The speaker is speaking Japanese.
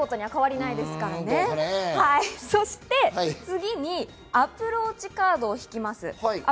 そして次に、アプローチカードを引きます。